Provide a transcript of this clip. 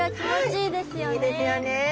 いいですよね。